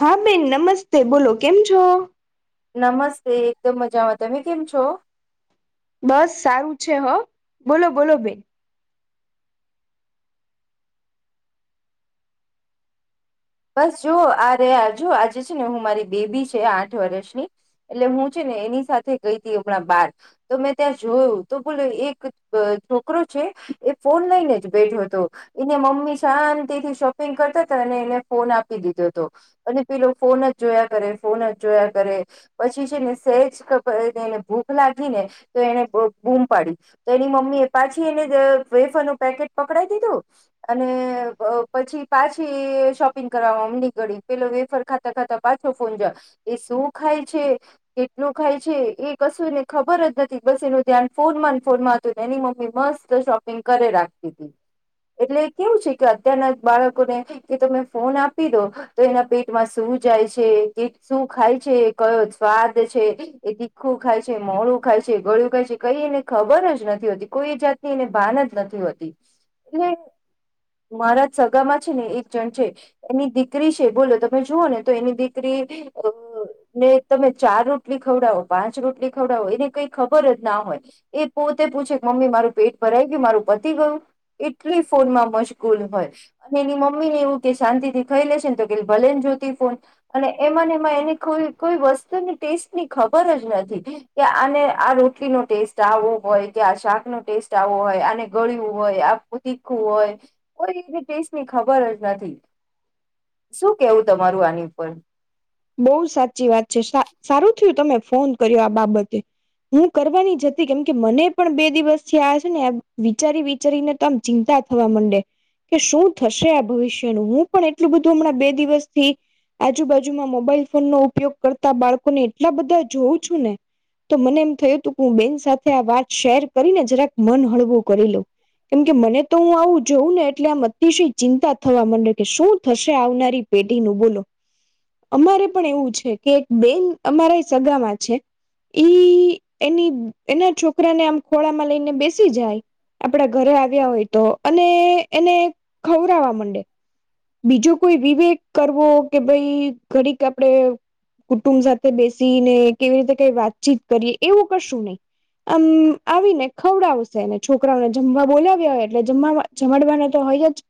હા, બેન. નમસ્તે. બોલો, કેમ છો? નમસ્તે. એકદમ મજામાં. તમે કેમ છો? બસ, સારું છે. હ, બોલો, બોલો બેન. બસ, જોઓ આ રહો, જો આજે છે ને, હું મારી બેબી છે આઠ વર્ષની, એટલે હું છે ને એની સાથે ગઈ હતી હમણાં બાર, તો મેં ત્યાં જોયું તો, બોલો, એક છોકરો છે. એ ફોન લઈને જ બેઠો હતો. એને મમ્મી શાંતિ થી શોપિંગ કરતા હતા અને એને ફોન આપી દીધો હતો અને પેલો ફોન જ જોયા કરે, ફોન જ જોયા કરે. પછી છે ને એજ વખતે ને, ભૂખ લાગી ને, તો એને બૂમ પાડી. તો એની મમ્મી એ પાછી એને વેફરનુ પેકેટ પકડાવી દીધુ અને પછી પાછી શો પિંગ કરવા માંડી. પેલો વેફર ખાતા ખાતા પાછો ફોન જોએ. એ શું ખાય છે? નું ખાય છે, એ કશું એને ખબર જ નથી. બસ, એનુ ધ્યાન ફોનમાં ને. ફોન માં હતુંને એની મમ્મી મસ્ત. શોપિંગ કરે રાખતી. એટલે કેવું છે કે, અત્યારના બાળકોને કે તમે ફોન આપી દો તો, એના પેટમાં શું જાય છે, શું ખાય છે, કયો સ્વાદ છે, એ તીખું ખાય છે, મોડું ખાય છે, ગળ્યું ખાય છે, કંઈ એને ખબર જ નથી હોતી કોઈ જાત ભાન જ નથી હોતી. એટલે મારા સગામાં છે ને, એક જણ છે. એની દીકરી છે બોલો તમે જુઓ ને તો એની દીકરી અ ને તમે ચાર રોટલી ખવડાવો પાંચ રોટલી ખવડાવો એને કઈ ખબર જ ના હોય એ પોતે પૂછે કે મમ્મી મારું પેટ ભરાઈ ગયું મારું પતિ ગયું એટલી ફોન માં મશગુલ હોય. એની મમ્મી એવું કેહેશે. શાંતિથી ખાઈ લેશે ને તો કે ભલે ને જોતી ફોન અને એમાં ને એમાં એને કોઈ કોઈ વસ્તુ ને ટેસ્ટ ખબર જ નથી કે આને આ રોટલી નો ટેસ્ટ આવો હોય કે આ શાક નો ટેસ્ટ આ- વો હોય આને ગળું હોય આ તીખવું હોય કોઈ ટેસ્ટની ખબર જ નથી શું કેવું તમારું આની ઉપર બહુ સાચી વાત છે સા સારું થયું તમે ફોન કર્યો આ બાબતે હું કરવાની જતી કેમ કે મને પણ બે દિવસથી આ છે ને વિચારી વિચારીને તો આમ ચિંતા થવા મંડે કે શું થશે આ ભવિષ્યનું હું પણ એટલું બધું હમણાં બે દિવસથી આજુબાજુ જુમાં મોબાઈલ ફોન નો ઉપયોગ કરતા બાળકોને એટલા બધા જોઉં છું ને- તો મને એમ થયું હતું કે હું બેન સાથે આ વાત શેર કરીને જરાક મન હળવું કરી લઉં કેમ કે મને તો હું આવું જોઉં ને એટલે આમ અતિશય ચિંતા થવા માંડે કે શું થશે આવનારી પેઢીનુ બોલો અમારે પણ એવું છે કે એક બેન અમારા સગામાં છે. ઈ એની એના છોકરાને આમ ખોળામાં લઈને બેસી જાય આપડા ઘરે આવ્યા હોય તો અને એને ખવરાવા માંડે બીજો કોઈ વિવેક કરવો કે ભાઈ ઘડીક આપડે કુટુંબ સાથે બેસીને કેવી રીતે કઈ વાતચીત કરીએ એવું કરશું નહી આમ આવીને ખવડાવશેને છોકરાઓને જમવા બોલાવ્યા હોય એટલે જમવા જમડવાના તો હોય જ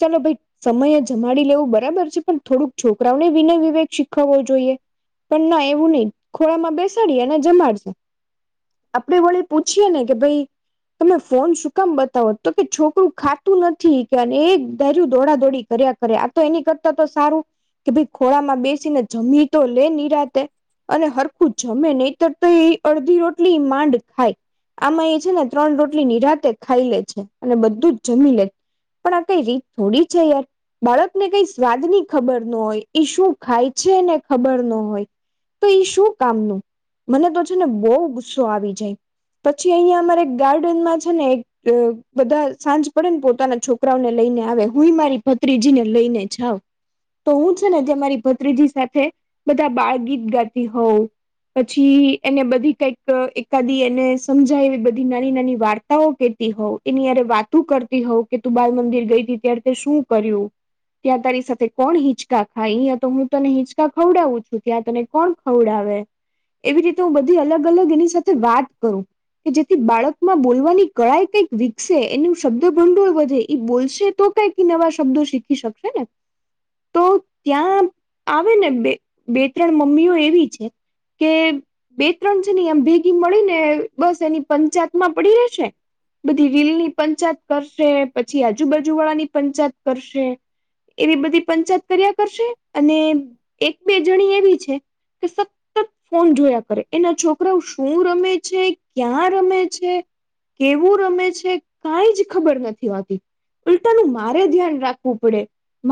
ચાલો ભઈ સમય જમાડી લેવું બરાબર છે પણ થોડુંક છોકરાઓને વિનય વિવેક શીખવવો જોઈએ. પણ ના એવું નહી ખોડામાં બેસાડીએ અને જમાડશે આપડે વળી પૂછીયે ને કે ભઈ તમે ફોન શું કામ બતાવો તો કે છોકરું ખાતું નથી કે એકધાર્યું દોડા દોડી કર્યા કરે આ તો એની કરતા તો સારું કે ભઈ ખોળામાં બેસીને જમી તો લે નીરાતે અને હરખું જમે નહીતર તો એ અડધી રોટલી માંડ ખાય આમાં એ છે ને ત્રણ રોટલી નિરાતે ખાઈ લે છે અને બધું જ જમી લે પણ આ કઈ રી ત થોડી છે યાર બાળકને કઈ સ્વાદ ની ખબર ન હોય શું ખાય છે એને ખબર નો- નો હોય તો ઈ શું કામનું મને તો છે ને બહુ ગુસ્સો આવી જાય. પછી અહંયા અમારે ગાર્ડનમાં છે ને એક બધા સાંજ પડે ને પોતાના છોકરાઓને લઈને આવે હું મારી ભત્રીજી ને લઈને જાવ તો હું છે ને જે મારી ભત્રીજી સાથે બધા બાળ ગીત ગાતી હોઉં પછી એને બધી કઈક એકાદી એને સમજાય એવી બધી નાની નાની વાર્તાઓ કે તી હોવ એની ય વાત કરતી હોવ કે તું બાલ મંદિર ગઈ હતી ત્યારે તે શું કર્યું ત્યાં તારી સાથે કોણ હિંચકા ખાય અયા તો હું તને હિચકા ખવડાવું છું ત્યાં તને કોણ ખવડાવ એવી રીતે હું બધી અલગ અલગ એની સાથે વાત કરું કે જેથી બાળકમાં બોલવાની કળાય કઈક વિકસે એનુ શબ્દ ભંડોળ વધે એ બોલશે તો કઈક નવા શબ્દો શીખી શકે ને તો ત્યાં આવે ને બે બે ત્રણ મમ્મીઓ એવી છે. કે બે ત્રણ છે એમ ભેગી મળી ને બસ એની પંચાયત માં પડી રહેશે. બધી વિલની પંચાયત કરશે પછી આજુબાજુ વાળાની પંચાયત કરશે. એવી બધી પંચાયત કર્યા કરશે અને એક બે જણી એવી છે. કે સતત ફોન જોયા કરે એના છોકરાઓ શું રમે છે ક્યાં રમે છે. કેવું રમે છે કઈ જ ખબર નથી હોતી ઉલ્ટાનું. મારે ધ્યાન રાખવું પડે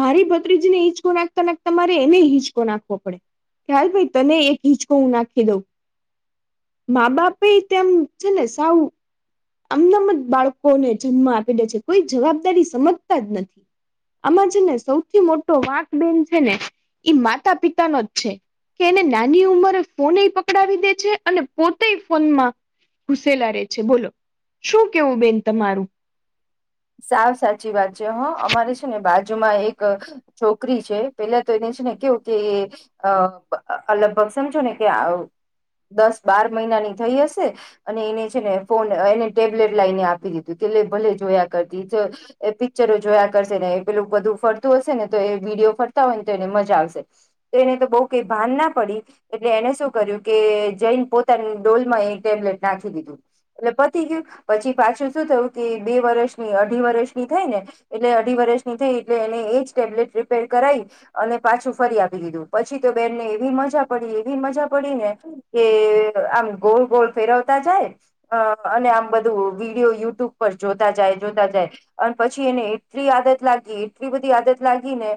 મારી ભત્રીજીને હિંચકો નાખતા નાખતા મારે એને હિંચકો નાખવો પડે. ખ્યાલ ભાઈ તને એક ઈંચકો હું નાખી દઉં. મા બાપે તેમ છે ને સાવું. આમનામ જ બાળકોને જન્મ આપે દે છે કોઈ જવાબદારી સમજતા જ નથી. આમાં જે ને સૌથી મોટો વાંક બેેન છે ને એ માતા પિતાનો જ છે. કે એને નાની ઉંમરે ફોન એ પકડાવી દે છે અને પોતે ફોનમાં. ઘુસેલા રે છે બોલો શું કેવું બેન તમારું. સાવ સાચી વાત છે હા અમારે છે ને બાજુમાં એક છોકરી છે પેલા તો એની. ને કેવું કે લગભગ સમજો ને કે. દસ બાર મહિનાની થઈ હશે અને એને છે ને ફોન એને ટેબ્લેટ લઈને આપી દીધું. ભલે જોયા. પિક્ચરો જોયા કરશે ને પેલું બધું ફરતું હશે ને તો એ વિડીયો ફરતા હોય ને તો. મજા આવશે તો એને તો બુ કે ભાન ના પડી એટલે એને શું કર્યું કે જૈન પોતાની. ડોલમાં એ ટેબ્લેટ નાખી દીધું એટલે પતી ગયું પછી પાછું શું થયું કે બે વર્ષ. અઢી વર્ષની થઈ ને એટલે અઢી વર્ષની થઈ એટલે એને એજ ટેબ્લેટ રિપેર કરાવી અને. પાછું ફરી આપી દીધું પછી તો બેનને એવી મજા પડી એવી મજા પડી ને કે. આ ગોળ ગોળ ફેરવતા જાય અને આમ બધું વિડીયો યુટ્યુબ પર જોતા જાય. જોતા જાય અને પછી એને એટલી આદત લાગી એટલી બધી આદત લાગી ને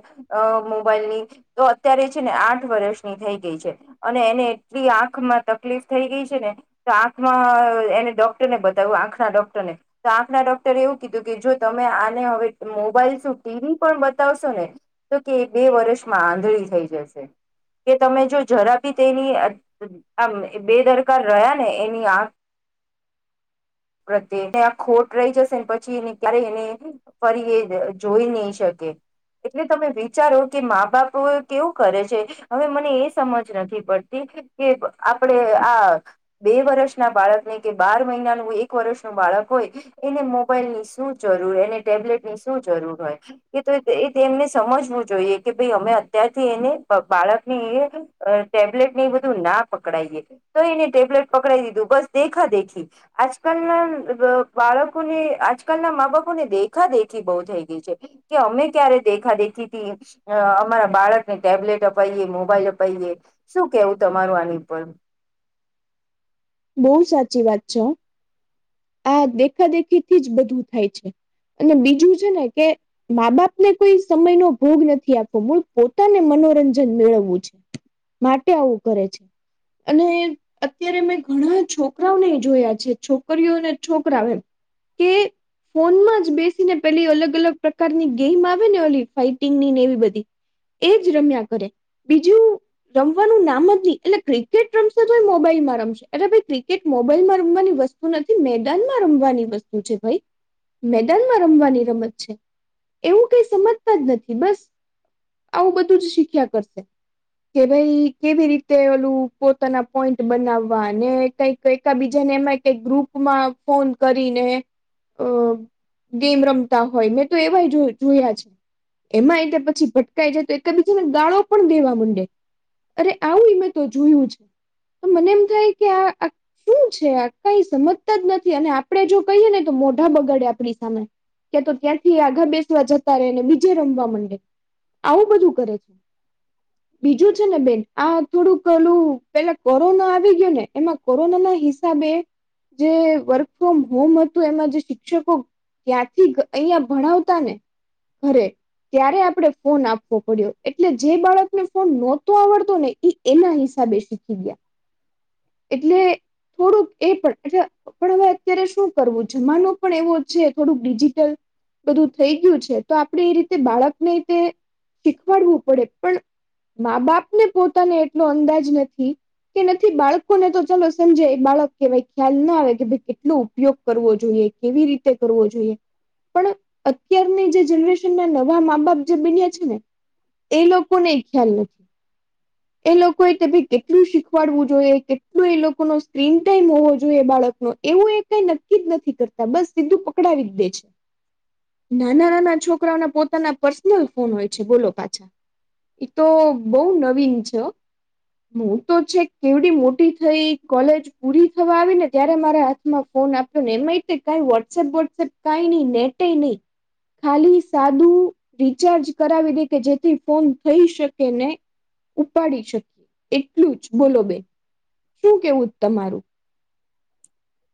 મોબાઈલ. તો અત્યારે છે ને આઠ વર્ષની થઈ ગઈ છે અને એને એટલી આંખમાં તકલીફ થઈ. ને આંખ એને ડોક્ટરને બતાવ આંખ ડોક્ટરને તો આંખના ડોકર. એવું કીધું કે જો તમે આને હવે મોબાઈલ ટીવી પણ બતાવશો ને તો કે. વર્ષમાં આંધળી થઈ જશે. કે તમે જો જરા પી તેની આમ બેદરકાર રહ્યા ને એની આખ. [inaudible] પ્રત્યે ત આ ખોટ રહી જશે. પછી એને ક્યારેય એને ફરી એ જોઈ નહી શકે. એટલે તમે વિચારો કે મા બાપ કેવું કરે છે હવે મને એ સમજ નથી પડતી. કે આપણે આ બે વર્ષ ના બાળક ને કે બાર મહિનાનું એક વર્ષનું બાળ. બાળકોય એને મો. મોબાઈલ ની શું જરૂર અને ટેબ્લેટ ની શું જરૂર હોય કે એ તેમને સમજવું જોઈએ. કે ભાઈ અમે અત્યારથી એને બાળક ની ટેબ્લેટ ને એ બધું ના પકડાઈએ. તો એને ટેબ્લેટ પકડાઈ દીધું બસ દેખા દેખી આજકાલના બાળકોને. આજકાલના મા બાપો ને દેખા દેખી બહુ થઈ ગઈ છે કે અમે ક્યારે દેખા દેખી થી. અમારા બાળકને ટેબ્લેટ અપાઈએ મોબાઈલ અપાઈએ શું કેવું તમારું આની ઉપ. બહુ સાચી વાત છો. આ દેખા દેખી થી જ બધું થાય છે. અને બીજું છે ને કે મા બાપને કોઈ સમયનો ભોગ નથી આપવો મૂળ પોતાને મન. મનોરંજન મેળવવું છે માટે આવું કરે છે અને અત્યારે મેં. ઘણા છોકરાઓને એ જોયા છે છોકરીઓને છોકરાઓ એ કે. ફોનમાં જ બેસીને પેલી અલગ અલગ પ્રકારની ગેમ આવે ને ઓલી ફાઈટિંગની ને એવી બધી. એજ રમ્યા કરે બીજું રમવાનું નામ જ નહી એટલે ક્રિકેટ રમશે તોય મોબાઈલ. રમશે એટ ભાઈ ક્રિકેટ મોબાઈલમાં રમવાની વસ્તુ નથી મેદાનમાં રમવાની વસ્તુ છે ભાઈ. મેદાનમાં રમવાની રમત છે એવું કઈ સમજતા જ નથી બસ. આવું બધું જ શીખ્યા કરશે. કે ભાઈ કેવી રીતે ઓલું પોતાના પોઈન્ટ બનાવ ને કઈક એક બીજાને એમાં કક ગ્રુપ માં ફોન કરીને. અ ગેમ રમતા હોય મેં તો એવાય જોયા છે. એમાં એ પછી ભટકાઈ જાય તો એકબીજ ને દાળો પણ દેવા માંડે અરે આવુંં તો જોયું છે તો મને એમ થાય કે આ. શું છે કઈ સમજતા જ નથી અને આપડે જો કહીયએ ને તો મોઢા બગાડે આપડી સામે. કે તો ત્યાંથી આગા બેસવા જતા રને બીજે રમવા માંડે. આવું બધું કરે છે બીજું છે ને બેન આ થોડુંકલું પેલા કોરોના આવી ગયો ને એમાં કોરોના ના હિસાબે જે વર્ક ફ્રોમ હોમ હતું એમાં જે શિક્ષકો ત્યાંથી અહીંયા ભણાવતા ને ઘરે ત્યારે આપણે ફોન આપવો પડ્યો એટલે જે બાળકને ફોન નહોતો આવડતો ને એ એના હિસાબ બે શીખી ગયા એટલે થોડુંક એ પણ એટલે પણ હવે અત્યારે શું કરવું છે, માનું પણ એવો છે થોડુંક ડિજિટલ બધું થઈ ગયું છે તો આપણે એ રીતે બાળકને તે શીખવાડવું પડે પણ મા બાપને પોતાને એટલો અંદાજ નથી કે બાળકોને તો ચાલો સમજાય બાળક કહેવાય ખ્યાલ ના આવે કે ભાઈ કેટલો ઉપયોગ કરવો જોઈએ કેવી રીતે કરવો જોઈએ. પણ અત્યારની જે જનરેશન ના નવા મા બાપ જે બન્યા છે ને એ લોકોને ખ્યાલ નથી એ લોકોએ બી કેટલું શીખવાડવું જોઈ કેટલો એ લોકો ન સ્ક્રીન ટાઈમ હોવો જોઈએ બાળક ન એવું એ કઈ નક્કી જ નથી કરતા બસ સીધું પકડાવી દે છે. નાના નાના છોકરાઓના પોતાના પર્સનલ ફોન હોય છે, બોલો પાછા. એ તો બહુ નવીન છે હું તો છે કેવડી મોટી થઈ કોલેજ પૂરી થવા આવી ને ત્યારે મારા હાથમાં ફોન આપ્યો ને એમાયતે વોટ્સઅપ વોટ્સઅપ કાઈ નહી નેટ એ નહીં ખાલી સાદું રિચાર્જ કરાવી દે કે જેથી ફોન થઈ શકે ને ઉપાડી શકીએ એટલું જ બોલો બેન શું કેવું તમારું?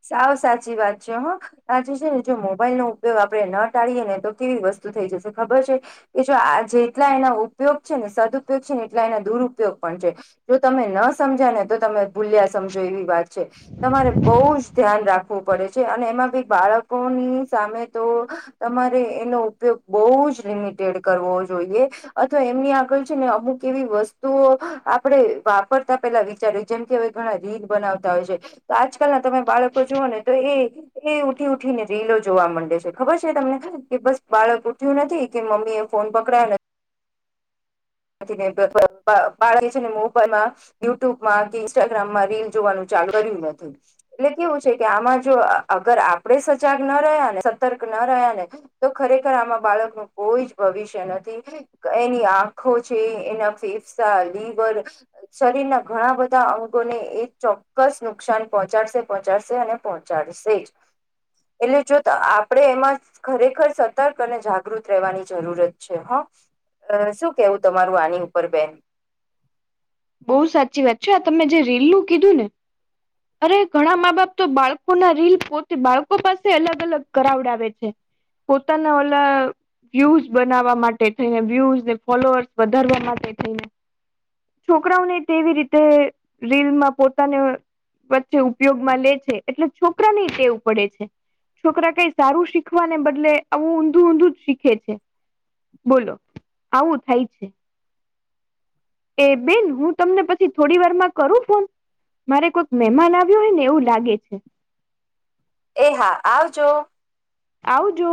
સાવ સાચી વાત છે હા સાચી છે ને જો મોબાઈલ નો ઉપયોગ આપડે ન ટાળીએ ને તો કેવી વસ્તુ થઈ જશે ખબર છે, કે જો આ જેટલા એના ઉપયોગ છે, ને સદયોગ છે, ને એટલા એના દુરપયોગ જો તમે ન સમજ્યા ને તો તમે ભૂલ્યા સમજો એવી વાત છે તમારે બહું જ ધ્યાન રાખવું પડે છે, અને એમાં બી બાળકોની સામે તો તમારે એનો ઉપયોગ બહું જ લિમિટેડ કરવો જોઈએ અથવા એમની આગળ છે, ને અમુક એવી વસ્તુઓ આપણે વાપરતા પેલા વિચાર્યું જેમ કે હવે ઘણા રીલ બનાવતા હોય છે, આજકાલ ના તમે બાળકો જુઓ ને તો એ એ ઉઠી ઉઠી ને રીલો જોવા માંડે છે. ખબર છે, તમને કે બસ બાળકો નથી કે મમ્મી એ ફોન પકડ્યા નથી ને બાળક છે ને મોબાઈલમાં યુટ્યુબમાં કે ઇન્સ્ટાગ્રામમાં રીલ જોવાનું છે. [unintelligible] નથી એટલે કેવું છે કે આમાં જો અગર આપણેે સજાગ ના રહ્યા સતર્ક રહ્યા ને તો ખરેખર આમાં બાળક નું કોઈ જ ભવિષ્ય નથી એની આ આખો છે એના ફેફસા, લિવર શરીર ના ઘણા બધા અંગોને એ ચોક્કસ નુકસાન પહોંચાડશે પહોંચાડશે અને પહોંચાડશે જ. એટલે જો આપણેે એમાં ખરેખર સતર્ક અને જાગૃત રહેવાની જરૂરત છે હ અ શું કેવું તમારું આની ઉપર બેન? બહુ સાચી વાત છે આ તમે જે રીલ કીધું ને અરે ઘણા મા બાપ તો બાળકો ના રીલ પોતે બાળકો પાસે અલગ અલગ કરાવડાવે છે. પોતાને ઓલા વ્યૂઝ બનાવવા માટે થઈને વ્યૂઝને ફોલોઅર્સ વધારવા માટે થઈને છોકરાઓને તેવી રીતે રીલમાં પોતાને વચ્ચે ઉપયોગમાં લે છે, એટલે છોકરા ને ટેવ પડે છે. છોકરા કઈ સારું શીખવાને બદલે આવું ઊંધું ઊંધું જ શીખે છે. બોલો આવું થાય છે. એ બેન હું તમને પછી થોડી વાર માં કરું ફોન. મારે કોઈક મહેમાન આવ્યો હોય ને એવું લાગે છે. એ હા આવજો. આવજો.